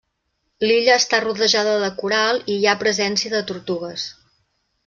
L'illa està rodejada de coral i hi ha presència de tortugues.